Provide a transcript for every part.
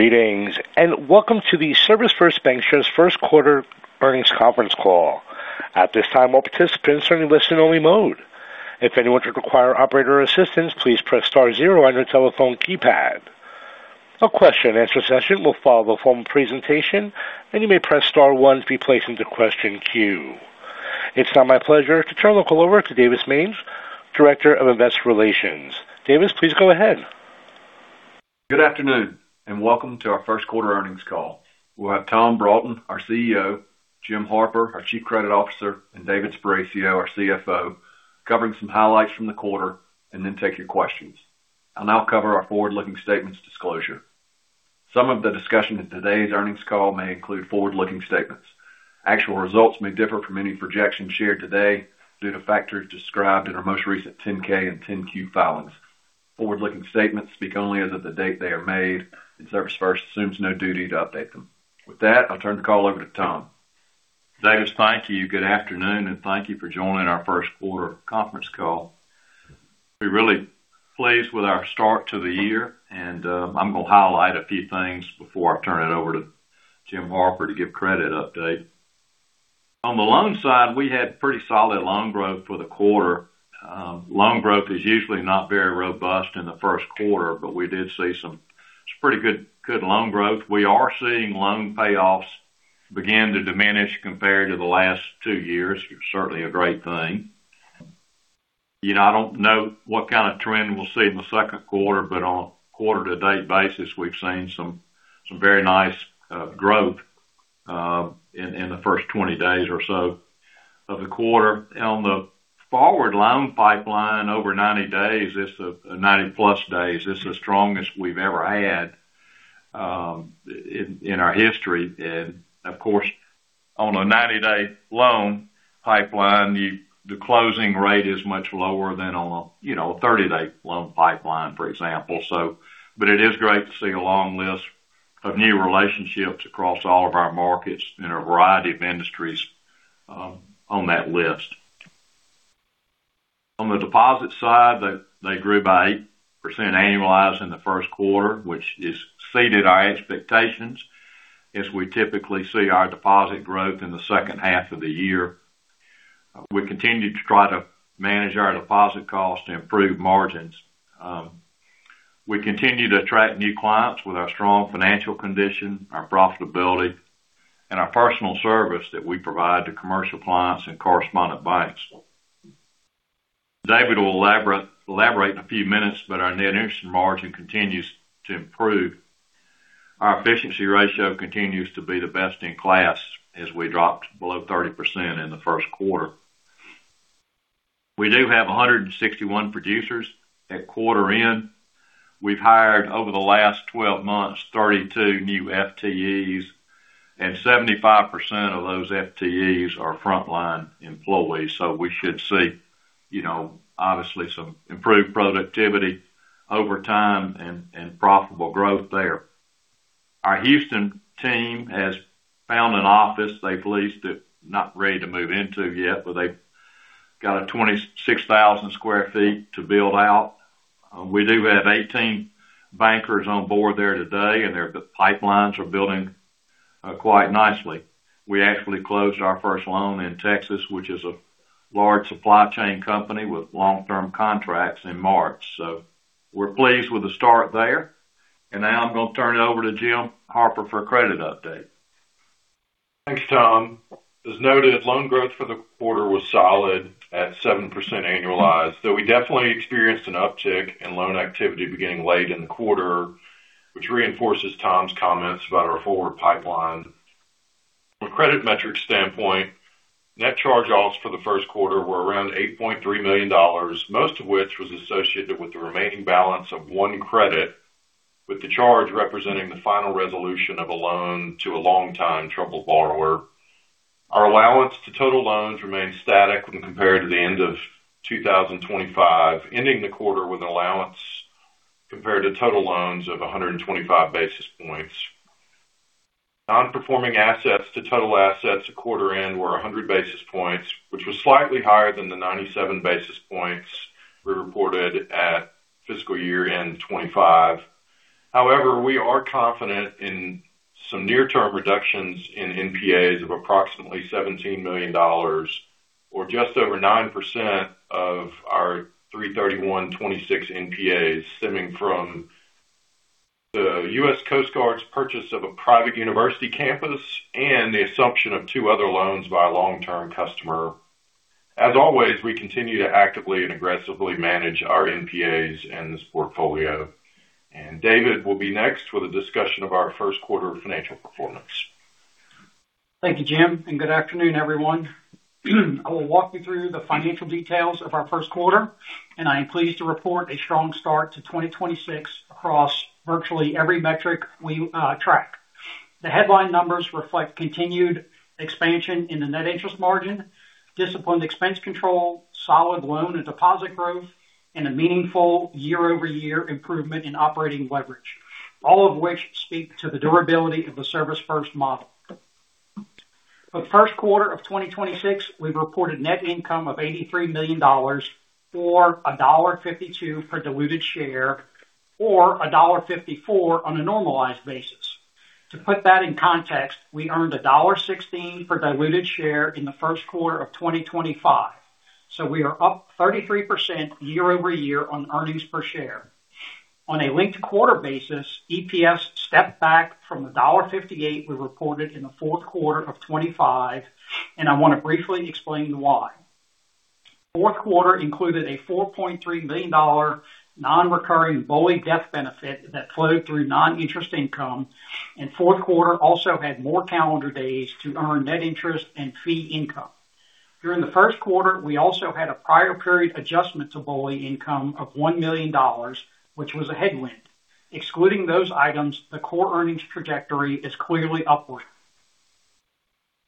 Greetings, and welcome to the ServisFirst Bancshares' first quarter earnings conference call. At this time, all participants are in listen only mode. If anyone should require operator assistance, please press star zero on your telephone keypad. A question and answer session will follow the formal presentation, and you may press star one to be placed into question queue. It's now my pleasure to turn the call over to Davis Mange, Director of Investor Relations. Davis, please go ahead. Good afternoon, and welcome to our first quarter earnings call. We'll have Tom Broughton, our CEO, Jim Harper, our Chief Credit Officer, and David Sparacio, our CFO, covering some highlights from the quarter, and then take your questions. I'll now cover our forward-looking statements disclosure. Some of the discussion in today's earnings call may include forward-looking statements. Actual results may differ from any projections shared today due to factors described in our most recent 10-K and 10-Q filings. Forward-looking statements speak only as of the date they are made, and ServisFirst assumes no duty to update them. With that, I'll turn the call over to Tom. Davis, thank you. Good afternoon, and thank you for joining our first quarter conference call. We're really pleased with our start to the year and, I'm going to highlight a few things before I turn it over to Jim Harper to give credit update. On the loan side, we had pretty solid loan growth for the quarter. Loan growth is usually not very robust in the first quarter, but we did see some pretty good loan growth. We are seeing loan payoffs begin to diminish compared to the last two years, which is certainly a great thing. I don't know what kind of trend we'll see in the second quarter, but on a quarter to date basis, we've seen some very nice growth, in the first 20 days or so of the quarter. On the forward loan pipeline over 90 days, 90+ days, it's the strongest we've ever had, in our history. Of course, on a 90-day loan pipeline, the closing rate is much lower than on a 30-day loan pipeline, for example. It is great to see a long list of new relationships across all of our markets in a variety of industries on that list. On the deposit side, they grew by 8% annualized in the first quarter, which exceeded our expectations, as we typically see our deposit growth in the second half of the year. We continue to try to manage our deposit costs to improve margins. We continue to attract new clients with our strong financial condition, our profitability, and our personal service that we provide to commercial clients and correspondent banks. David will elaborate in a few minutes, but our net interest margin continues to improve. Our efficiency ratio continues to be the best in class as we dropped below 30% in the first quarter. We do have 161 producers at quarter end. We've hired over the last 12 months, 32 new FTEs, and 75% of those FTEs are frontline employees. We should see obviously some improved productivity over time and profitable growth there. Our Houston team has found an office they've leased, not ready to move into yet, but they've got a 26,000 sq ft to build out. We do have 18 bankers on board there today, and the pipelines are building quite nicely. We actually closed our first loan in Texas, which is a large supply chain company with long-term contracts in March. We're pleased with the start there. Now I'm going to turn it over to Jim Harper for a credit update. Thanks, Tom. As noted, loan growth for the quarter was solid at 7% annualized, though we definitely experienced an uptick in loan activity beginning late in the quarter, which reinforces Tom's comments about our forward pipeline. From a credit metric standpoint, net charge-offs for the first quarter were around $8.3 million, most of which was associated with the remaining balance of one credit, with the charge representing the final resolution of a loan to a long time troubled borrower. Our allowance to total loans remained static when compared to the end of 2025, ending the quarter with an allowance compared to total loans of 125 basis points. Non-performing assets to total assets at quarter end were 100 basis points, which was slightly higher than the 97 basis points we reported at fiscal year-end 2025. However, we are confident in some near-term reductions in NPAs of approximately $17 million, or just over 9% of our 331.26 NPAs, stemming from the U.S. Coast Guard's purchase of a private university campus and the assumption of two other loans by a long-term customer. As always, we continue to actively and aggressively manage our NPAs and this portfolio. David will be next with a discussion of our first quarter financial performance. Thank you, Jim, and good afternoon, everyone. I will walk you through the financial details of our first quarter, and I am pleased to report a strong start to 2026 across virtually every metric we track. The headline numbers reflect continued expansion in the net interest margin, disciplined expense control, solid loan and deposit growth, and a meaningful year-over-year improvement in operating leverage, all of which speak to the durability of the ServisFirst model. For the first quarter of 2026, we reported net income of $83 million, or $1.52 per diluted share, or $1.54 on a normalized basis. To put that in context, we earned $1.16 per diluted share in the first quarter of 2025. We are up 33% year-over-year on earnings per share. On a linked quarter basis, EPS stepped back from the $1.58 we reported in the fourth quarter of 2025, and I want to briefly explain why. Fourth quarter included a $4.3 million non-recurring BOLI death benefit that flowed through non-interest income, and fourth quarter also had more calendar days to earn net interest and fee income. During the first quarter, we also had a prior period adjustment to BOLI income of $1 million, which was a headwind. Excluding those items, the core earnings trajectory is clearly upward.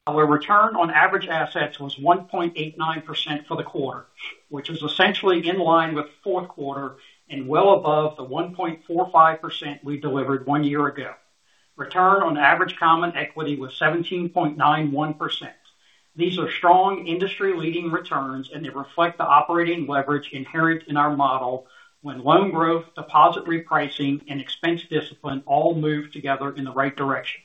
Our return on average assets was 1.89% for the quarter, which is essentially in line with fourth quarter and well above the 1.45% we delivered one year ago. Return on average common equity was 17.91%. These are strong industry leading returns, and they reflect the operating leverage inherent in our model when loan growth, deposit repricing, and expense discipline all move together in the right direction.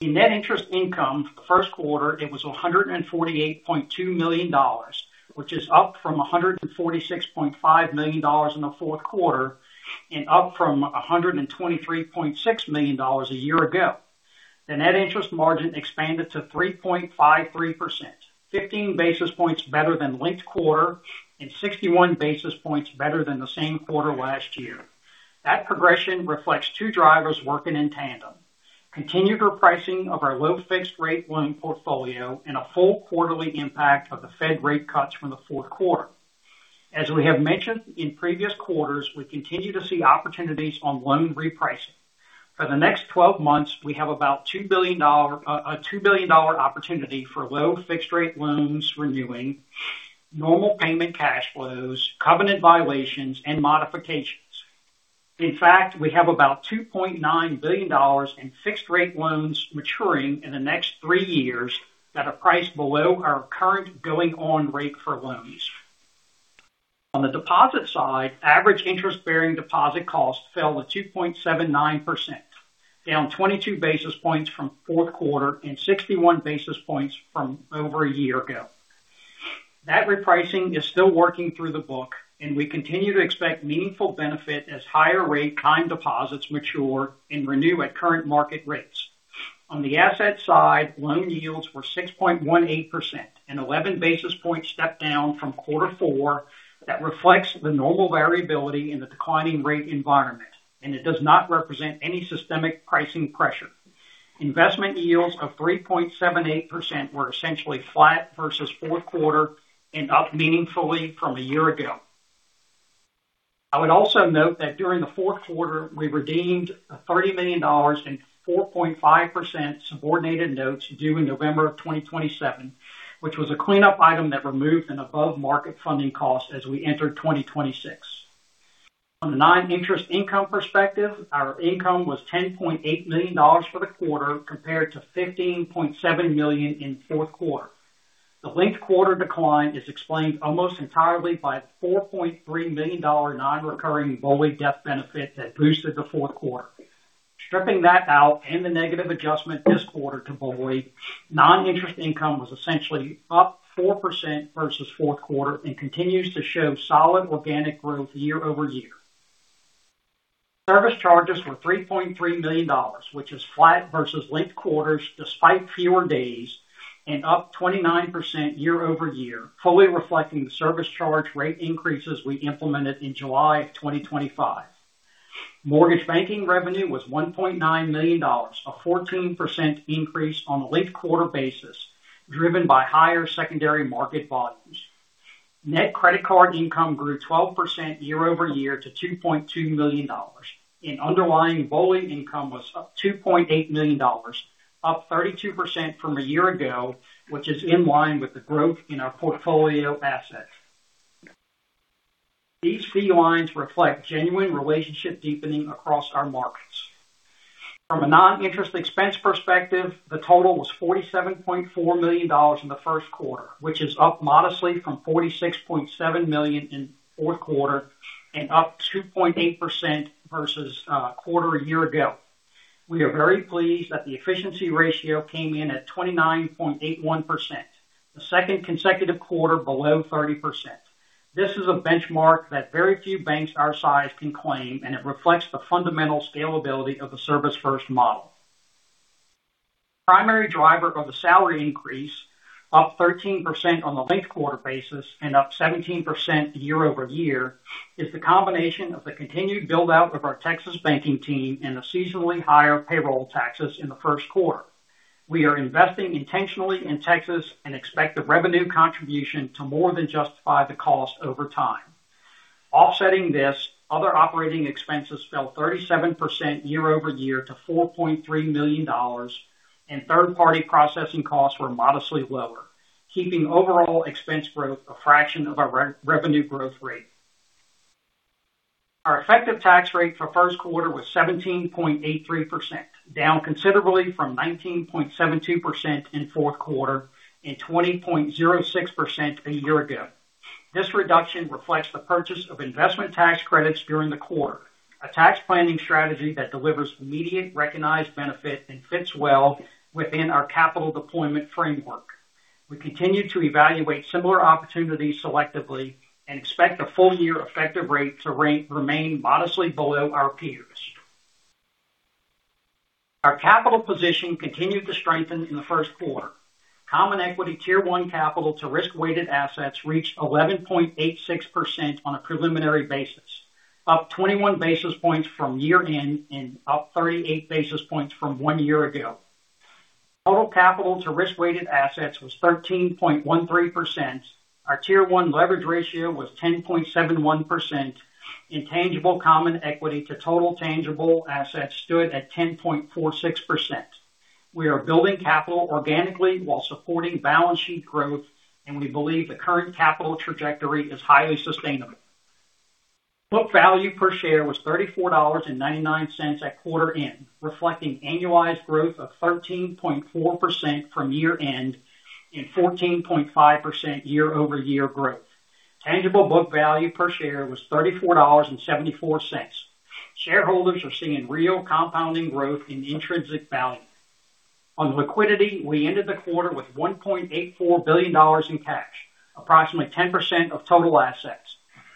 In net interest income for the first quarter, it was $148.2 million, which is up from $146.5 million in the fourth quarter and up from $123.6 million a year ago. The net interest margin expanded to 3.53%, 15 basis points better than linked quarter and 61 basis points better than the same quarter last year. That progression reflects two drivers working in tandem, continued repricing of our low fixed rate loan portfolio and a full quarterly impact of the Fed rate cuts from the fourth quarter. As we have mentioned in previous quarters, we continue to see opportunities on loan repricing. For the next 12 months, we have about a $2 billion opportunity for low fixed rate loans renewing, normal payment cash flows, covenant violations, and modifications. In fact, we have about $2.9 billion in fixed rate loans maturing in the next three years at a price below our current going on rate for loans. On the deposit side, average interest bearing deposit cost fell to 2.79%, down 22 basis points from fourth quarter and 61 basis points from over a year ago. That repricing is still working through the book, and we continue to expect meaningful benefit as higher rate time deposits mature and renew at current market rates. On the asset side, loan yields were 6.18%, an 11 basis point step down from quarter four that reflects the normal variability in the declining rate environment, and it does not represent any systemic pricing pressure. Investment yields of 3.78% were essentially flat versus fourth quarter and up meaningfully from a year ago. I would also note that during the fourth quarter, we redeemed $30 million in 4.5% subordinated notes due in November of 2027, which was a cleanup item that removed an above market funding cost as we entered 2026. From the noninterest income perspective, our income was $10.8 million for the quarter, compared to $15.7 million in fourth quarter. The linked quarter decline is explained almost entirely by the $4.3 million non-recurring BOLI death benefit that boosted the fourth quarter. Stripping that out and the negative adjustment this quarter to BOLI, non-interest income was essentially up 4% versus fourth quarter and continues to show solid organic growth year-over-year. Service charges were $3.3 million, which is flat versus linked quarters despite fewer days and up 29% year-over-year, fully reflecting the service charge rate increases we implemented in July of 2025. Mortgage banking revenue was $1.9 million, a 14% increase on a linked quarter basis, driven by higher secondary market volumes. Net credit card income grew 12% year-over-year to $2.2 million, and underlying BOLI income was up $2.8 million, up 32% from a year ago, which is in line with the growth in our portfolio assets. These fee lines reflect genuine relationship deepening across our markets. From a non-interest expense perspective, the total was $47.4 million in the first quarter, which is up modestly from $46.7 million in fourth quarter and up 2.8% versus quarter a year ago. We are very pleased that the efficiency ratio came in at 29.81%, the second consecutive quarter below 30%. This is a benchmark that very few banks our size can claim, and it reflects the fundamental scalability of the ServisFirst model. Primary driver of the salary increase, up 13% on the linked-quarter basis and up 17% year-over-year, is the combination of the continued build out of our Texas banking team and the seasonally higher payroll taxes in the first quarter. We are investing intentionally in Texas and expect the revenue contribution to more than justify the cost over time. Offsetting this, other operating expenses fell 37% year-over-year to $4.3 million, and third-party processing costs were modestly lower, keeping overall expense growth a fraction of our revenue growth rate. Our effective tax rate for first quarter was 17.83%, down considerably from 19.72% in fourth quarter and 20.06% a year ago. This reduction reflects the purchase of investment tax credits during the quarter, a tax planning strategy that delivers immediate recognized benefit and fits well within our capital deployment framework. We continue to evaluate similar opportunities selectively and expect a full year effective rate to remain modestly below our peers. Our capital position continued to strengthen in the first quarter. Common Equity Tier 1 capital to risk-weighted assets reached 11.86% on a preliminary basis, up 21 basis points from year-end and up 38 basis points from one year ago. Total capital to risk-weighted assets was 13.13%. Our Tier 1 leverage ratio was 10.71%, and tangible common equity to total tangible assets stood at 10.46%. We are building capital organically while supporting balance sheet growth, and we believe the current capital trajectory is highly sustainable. Book value per share was $34.99 at quarter end, reflecting annualized growth of 13.4% from year-end and 14.5% year-over-year growth. Tangible book value per share was $34.74. Shareholders are seeing real compounding growth in intrinsic value. On liquidity, we ended the quarter with $1.84 billion in cash, approximately 10% of total assets.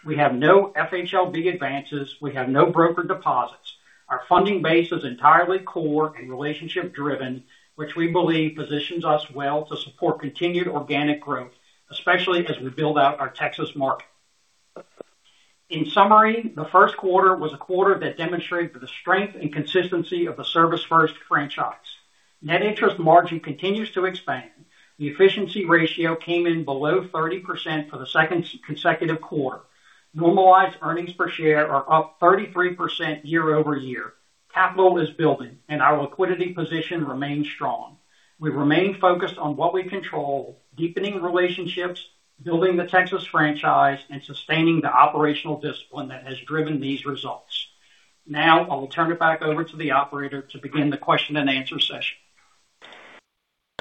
We have no FHLB advances. We have no broker deposits. Our funding base is entirely core and relationship driven, which we believe positions us well to support continued organic growth, especially as we build out our Texas market. In summary, the first quarter was a quarter that demonstrated the strength and consistency of the ServisFirst franchise. Net interest margin continues to expand. The efficiency ratio came in below 30% for the second consecutive quarter. Normalized earnings per share are up 33% year-over-year. Capital is building, and our liquidity position remains strong. We remain focused on what we control, deepening relationships, building the Texas franchise, and sustaining the operational discipline that has driven these results. Now, I will turn it back over to the operator to begin the question and answer session.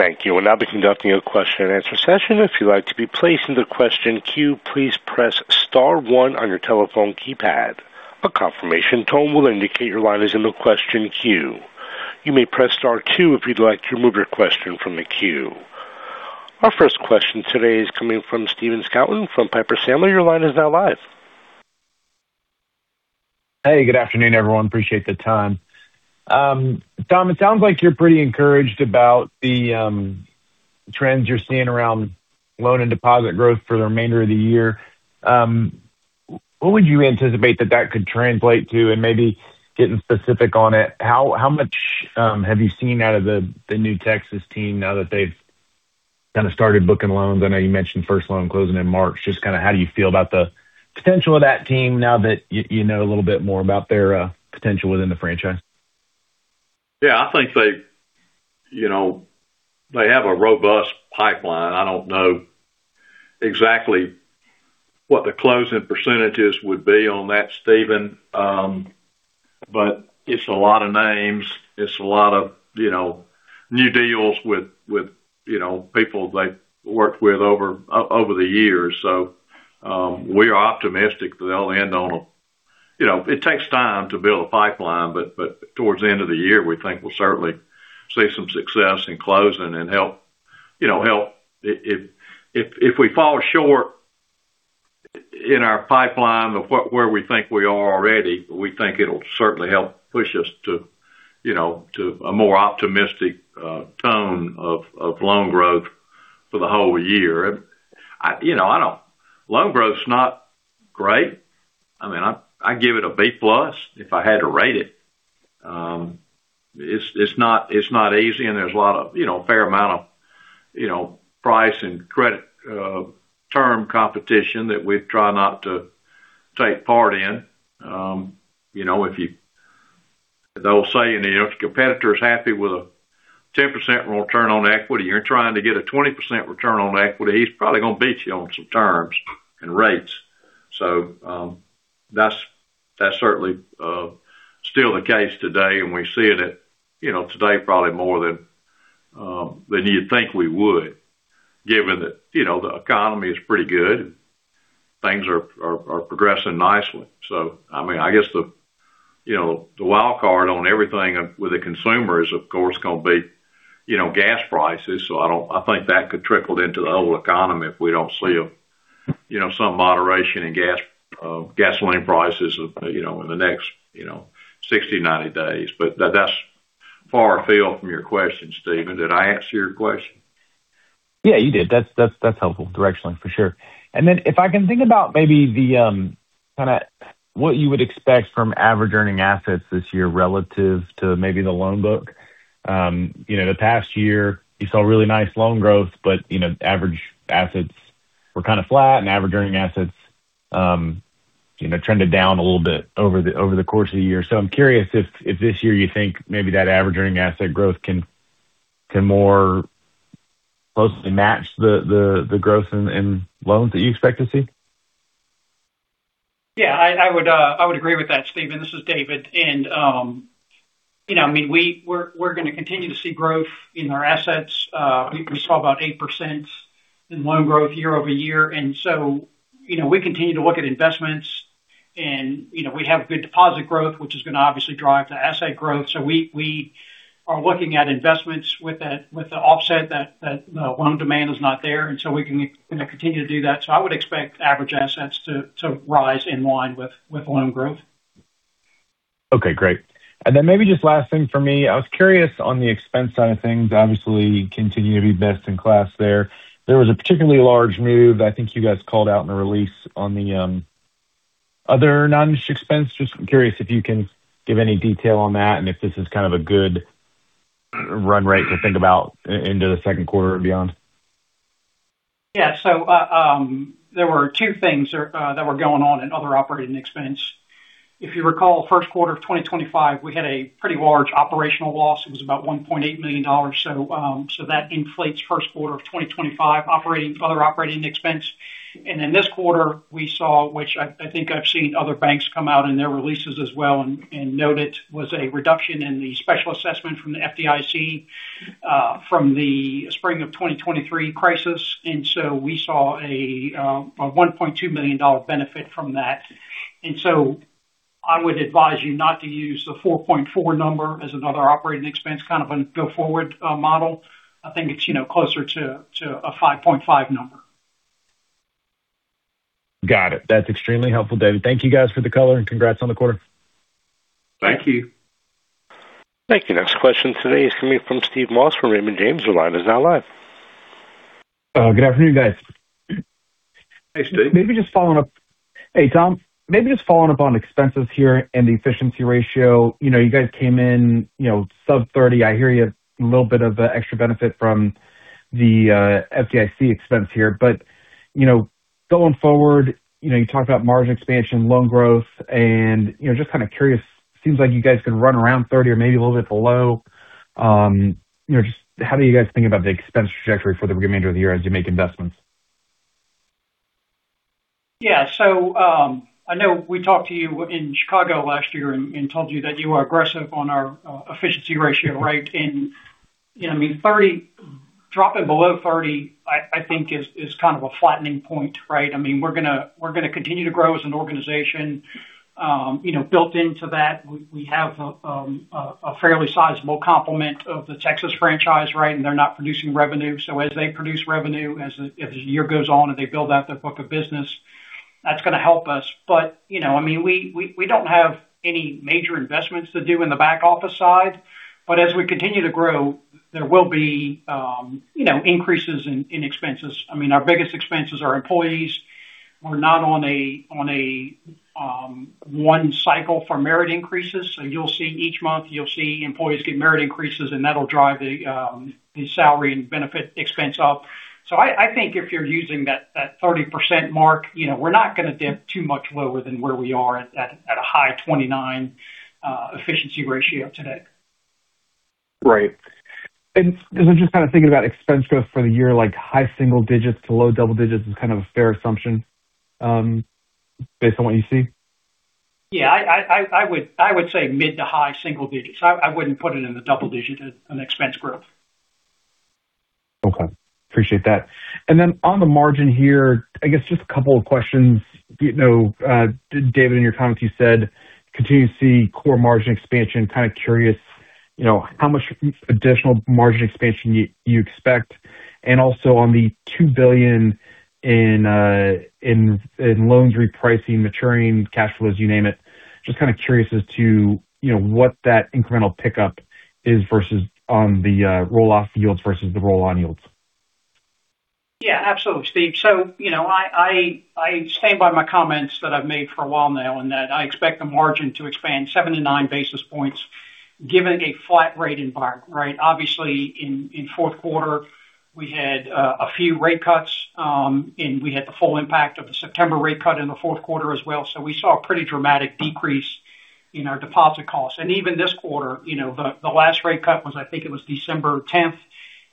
Thank you. We'll now be conducting a question and answer session. If you'd like to be placed in the question queue, please press star one on your telephone keypad. A confirmation tone will indicate your line is in the question queue. You may press star two if you'd like to remove your question from the queue. Our first question today is coming from Stephen Scouten from Piper Sandler. Your line is now live. Hey, good afternoon, everyone. Appreciate the time. Tom, it sounds like you're pretty encouraged about the trends you're seeing around loan and deposit growth for the remainder of the year. What would you anticipate that could translate to? Maybe getting specific on it, how much have you seen out of the new Texas team now that they've kind of started booking loans? I know you mentioned first loan closing in March. Just how do you feel about the potential of that team now that you know a little bit more about their potential within the franchise? Yeah, I think they have a robust pipeline. I don't know exactly what the closing percentages would be on that, Stephen, but it's a lot of names. It's a lot of new deals with people they've worked with over the years. We are optimistic that they'll end. It takes time to build a pipeline, but towards the end of the year, we think we'll certainly see some success in closing and help. If we fall short in our pipeline of where we think we are already, we think it'll certainly help push us to a more optimistic tone of loan growth for the whole year. Loan growth's not great. I give it a B+, if I had to rate it. It's not easy, and there's a fair amount of price and credit term competition that we try not to take part in. They'll say, if the competitor is happy with a 10% return on equity, you're trying to get a 20% return on equity, he's probably going to beat you on some terms and rates. That's certainly still the case today, and we see it today probably more than you'd think we would, given that the economy is pretty good. Things are progressing nicely. I guess the wild card on everything with the consumer is, of course, going to be gas prices. I think that could trickle into the whole economy if we don't see some moderation in gasoline prices in the next 60, 90 days. That's far afield from your question, Stephen. Did I answer your question? Yeah, you did. That's helpful directionally, for sure. Then if I can think about maybe what you would expect from average earning assets this year relative to maybe the loan book. The past year, you saw really nice loan growth, but average assets were kind of flat and average earning assets trended down a little bit over the course of the year. I'm curious if this year you think maybe that average earning asset growth can more closely match the growth in loans that you expect to see? Yeah. I would agree with that, Stephen. This is David. We're going to continue to see growth in our assets. We saw about 8% in loan growth year-over-year. We continue to look at investments and we have good deposit growth, which is going to obviously drive the asset growth. We are looking at investments with the offset that the loan demand is not there, and so we can continue to do that. I would expect average assets to rise in line with loan growth. Okay, great. Maybe just last thing for me, I was curious on the expense side of things. Obviously, you continue to be best in class there. There was a particularly large move I think you guys called out in the release on the other non-interest expense. Just curious if you can give any detail on that and if this is kind of a good run rate to think about into the second quarter or beyond. There were two things that were going on in other operating expense. If you recall, first quarter of 2025, we had a pretty large operational loss. It was about $1.8 million. That inflates first quarter of 2025 other operating expense. In this quarter we saw, which I think I've seen other banks come out in their releases as well and note it, was a reduction in the special assessment from the FDIC from the spring of 2023 crisis. We saw a $1.2 million benefit from that. I would advise you not to use the 4.4 number as other operating expense, kind of a go forward model. I think it's closer to a 5.5 number. Got it. That's extremely helpful, David. Thank you guys for the color and congrats on the quarter. Thank you. Thank you. Next question today is coming from Steve Moss from Raymond James. Your line is now live. Good afternoon, guys. Hey, Steve. Hey, Tom. Maybe just following up on expenses here and the efficiency ratio. You guys came in sub 30%. I hear you had a little bit of extra benefit from the FDIC expense here. Going forward, you talk about margin expansion, loan growth, and just kind of curious, seems like you guys could run around 30% or maybe a little bit below. Just how do you guys think about the expense trajectory for the remainder of the year as you make investments? Yeah. I know we talked to you in Chicago last year and told you that you are aggressive on our efficiency ratio, right? Dropping below 30%, I think is kind of a flattening point, right? We're going to continue to grow as an organization. Built into that, we have a fairly sizable complement of the Texas franchise, right? They're not producing revenue. As they produce revenue, as the year goes on and they build out their book of business, that's going to help us. We don't have any major investments to do in the back office side. As we continue to grow, there will be increases in expenses. Our biggest expenses are employees. We're not on a one cycle for merit increases. You'll see each month employees get merit increases, and that'll drive the salary and benefit expense up. I think if you're using that 30% mark, we're not going to dip too much lower than where we are at a high 29% efficiency ratio today. Right. As I'm just kind of thinking about expense growth for the year, like high single digits to low double digits is kind of a fair assumption based on what you see? Yeah. I would say mid to high single digit. I wouldn't put it in the double digit as an expense growth. Okay. Appreciate that. On the margin here, I guess just a couple of questions. David, in your comments, you said continue to see core margin expansion. Kind of curious how much additional margin expansion you expect. Also on the $2 billion in loans repricing, maturing, cash flows, you name it. Just kind of curious as to what that incremental pickup is versus on the roll off yields versus the roll on yields. Yeah, absolutely, Steve. I stand by my comments that I've made for a while now, and that I expect the margin to expand 7-9 basis points given a flat rate environment, right? Obviously, in fourth quarter, we had a few rate cuts and we had the full impact of the September rate cut in the fourth quarter as well. We saw a pretty dramatic decrease in our deposit costs. Even this quarter, the last rate cut was, I think it was December 10th.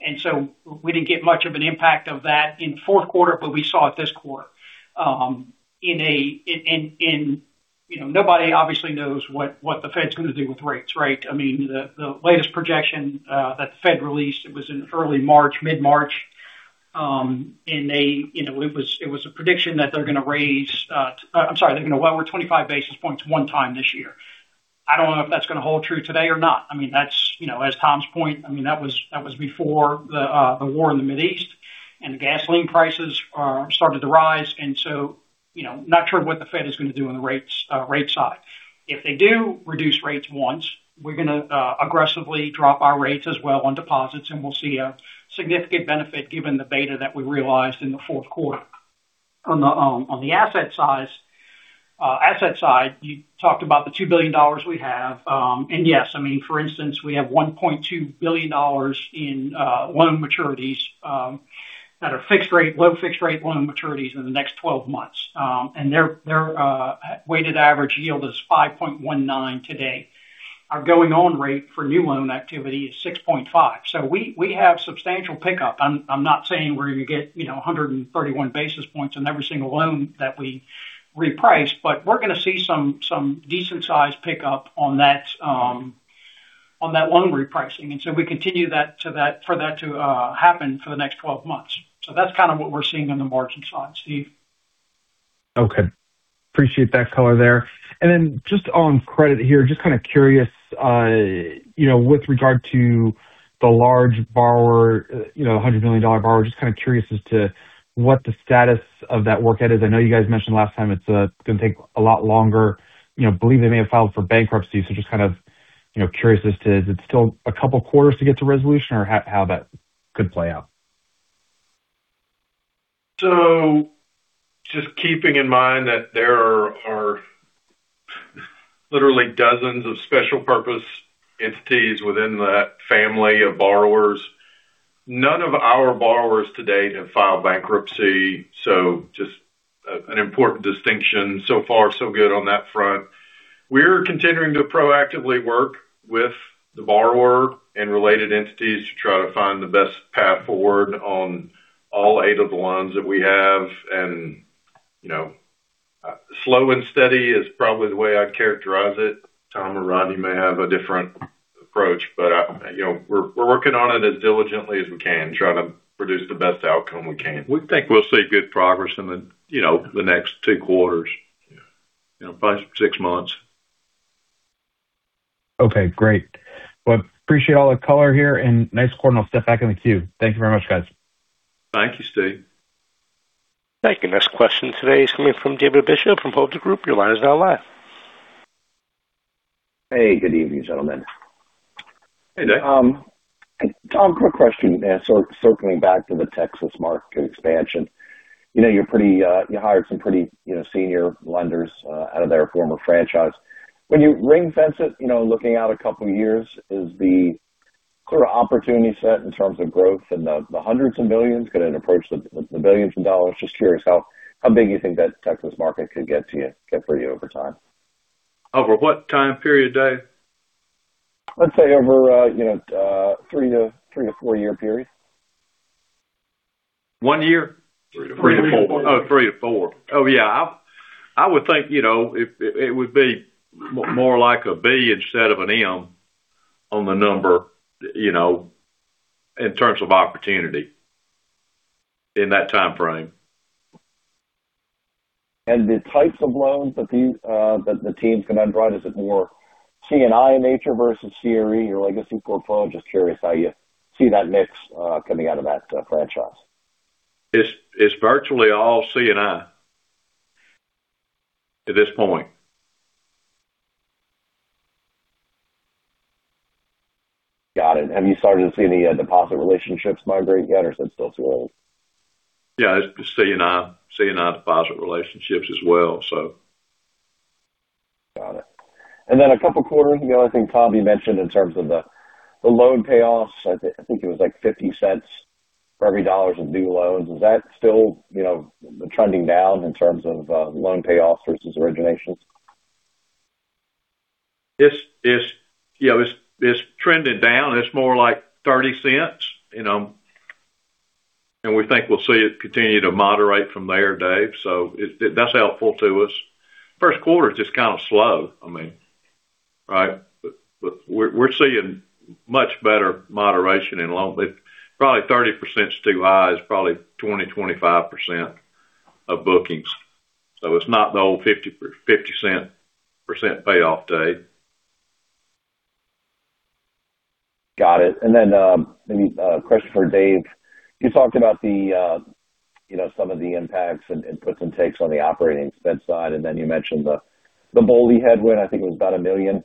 We didn't get much of an impact of that in fourth quarter, but we saw it this quarter. Nobody obviously knows what the Fed's going to do with rates, right? The latest projection that the Fed released, it was in early March, mid-March, and it was a prediction that they're going to lower 25 basis points one time this year. I don't know if that's going to hold true today or not. As Tom's point, that was before the war in the Middle East and gasoline prices started to rise. Not sure what the Fed is going to do on the rates side. If they do reduce rates once, we're going to aggressively drop our rates as well on deposits, and we'll see a significant benefit given the beta that we realized in the fourth quarter. On the asset side, you talked about the $2 billion we have. Yes, for instance, we have $1.2 billion in loan maturities that are fixed rate, low fixed rate loan maturities in the next 12 months. Their weighted average yield is 5.19% today. Our going-in rate for new loan activity is 6.5%. We have substantial pickup. I'm not saying we're going to get 131 basis points on every single loan that we reprice, but we're going to see some decent size pickup on that loan repricing. We continue for that to happen for the next 12 months. That's kind of what we're seeing on the margin side, Steve. Okay. Appreciate that color there. Then just on credit here, just kind of curious, with regard to the large borrower, $100 million borrower, just kind of curious as to what the status of that workout is. I know you guys mentioned last time it's going to take a lot longer. I believe they may have filed for bankruptcy. Just kind of curious as to is it still a couple quarters to get to resolution or how that could play out? Just keeping in mind that there are literally dozens of special purpose entities within that family of borrowers. None of our borrowers to date have filed bankruptcy, so just an important distinction. So far so good on that front. We're continuing to proactively work with the borrower and related entities to try to find the best path forward on all eight of the loans that we have, and slow and steady is probably the way I'd characterize it. Tom or Roddy may have a different approach, but we're working on it as diligently as we can, trying to produce the best outcome we can. We think we'll see good progress in the next two quarters. Five to six months. Okay, great. Well, I appreciate all the color here and nice quarter, and I'll step back in the queue. Thank you very much, guys. Thank you, Steve. Thank you. Next question today is coming from David Bishop from Hovde Group. Your line is now live. Hey, good evening, gentlemen. Hey, Dave. Tom, quick question. Circling back to the Texas market expansion. You hired some pretty senior lenders out of their former franchise. When you ring-fence it, looking out a couple of years, is the clear opportunity set in terms of growth in the hundreds of millions? Could it approach the billions of dollars? Just curious how big you think that Texas market could get for you over time. Over what time period, Dave? Let's say over a three to four year period. One year? Three to four. Oh, three to four. Oh, yeah. I would think it would be more like a B instead of an M on the number, in terms of opportunity in that timeframe. The types of loans that the teams can then bring, is it more C&I in nature versus CRE, your legacy portfolio? Just curious how you see that mix coming out of that franchise. It's virtually all C&I at this point. Got it. Have you started to see any deposit relationships migrate yet, or is it still too early? Yeah, it's C&I deposit relationships as well, so. Got it. Then a couple quarters ago, I think, Tom, you mentioned in terms of the loan payoffs, I think it was like $0.50 for every $1 of new loans. Is that still trending down in terms of loan payoffs versus originations? It's trended down. It's more like $0.30. We think we'll see it continue to moderate from there, Dave, so that's helpful to us. First quarter is just kind of slow. I mean, right? We're seeing much better moderation in loan pay. Probably 30% is too high. It's probably 20%-25% of bookings. It's not the old 50% payoff, Dave. Got it. Maybe a question for Dave. You talked about some of the impacts and puts and takes on the operating spend side, and then you mentioned the BOLI headwind, I think it was about $1 million.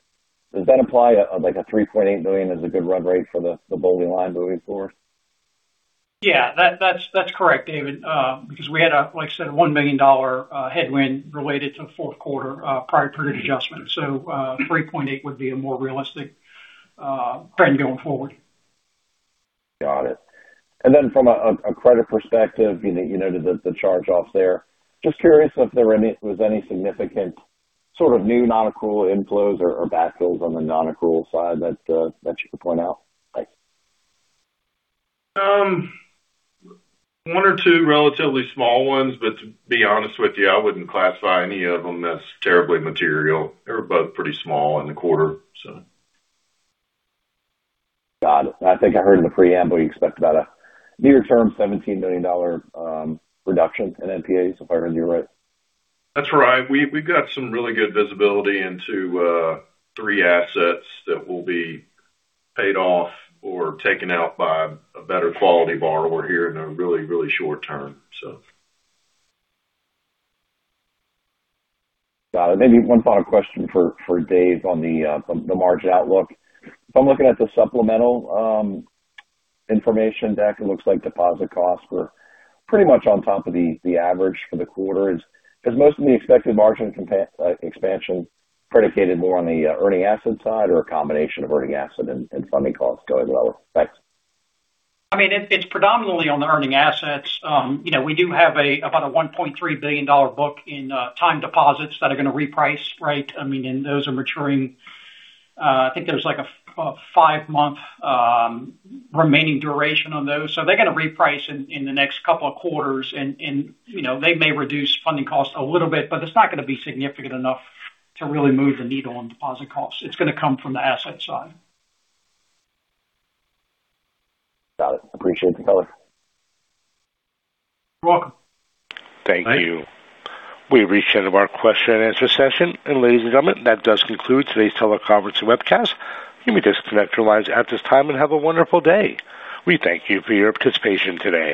Does that imply like a $3.8 million is a good run rate for the BOLI line moving forward? Yeah. That's correct, David, because we had a, like I said, $1 million headwind related to fourth quarter prior period adjustment. $3.8 million would be a more realistic trend going forward. Got it. From a credit perspective, you noted the charge-offs there. Just curious if there was any significant sort of new non-accrual inflows or backfills on the non-accrual side that you could point out? Thanks. One or two relatively small ones, but to be honest with you, I wouldn't classify any of them as terribly material. They were both pretty small in the quarter, so. Got it. I think I heard in the preamble, you expect about a near term $17 million reduction in NPAs, if I heard you right? That's right. We've got some really good visibility into three assets that will be paid off or taken out by a better quality borrower here in a really, really short term. Got it. Maybe one final question for Dave on the margin outlook. If I'm looking at the supplemental information deck, it looks like deposit costs were pretty much on top of the average for the quarter. Is most of the expected margin expansion predicated more on the earning asset side or a combination of earning asset and funding costs going lower? Thanks. I mean, it's predominantly on the earning assets. We do have about a $1.3 billion book in time deposits that are going to reprice, right? I mean, those are maturing. I think there's like a five-month remaining duration on those. They're going to reprice in the next couple of quarters, and they may reduce funding costs a little bit, but it's not going to be significant enough to really move the needle on deposit costs. It's going to come from the asset side. Got it. Appreciate the color. You're welcome. Thanks. Thank you. We've reached the end of our question and answer session. Ladies and gentlemen, that does conclude today's teleconference and webcast. You may disconnect your lines at this time and have a wonderful day. We thank you for your participation today.